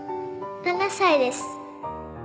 ７歳です。